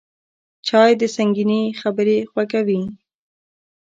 چای د سنګینې خبرې خوږوي